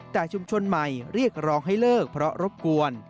แต่ชุมชนใหม่เรียกร้องให้เลิกเพราะรบกวน